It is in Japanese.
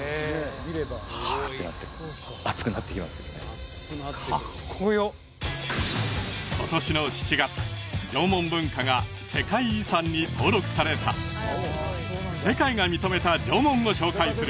いやこれは胸がはあってなって今年の７月縄文文化が世界遺産に登録された世界が認めた縄文を紹介する